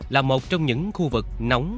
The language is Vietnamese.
là một trong những khu vực nóng